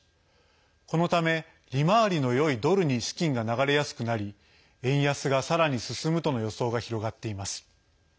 このため、利回りのよいドルに資金が流れやすくなり円安がさらに進むとの予想が広がっています。